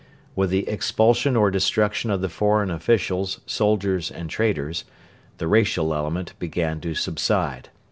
With the expulsion or destruction of the foreign officials, soldiers, and traders, the racial element began to subside.